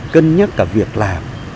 cân nhắc cả việc làm